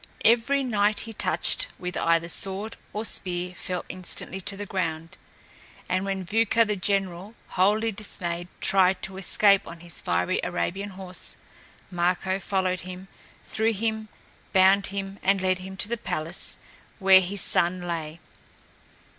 Every knight he touched with either sword or spear fell instantly to the ground, and when Vuca, the general, wholly dismayed, tried to escape on his fiery Arabian horse, Marko followed him, threw him, bound him, and led him to the place where his son lay.